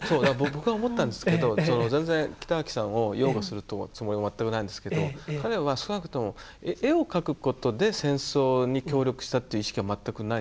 僕が思ったんですけど全然北脇さんを擁護するつもりも全くないんですけど彼は少なくとも絵を描くことで戦争に協力したという意識は全くない。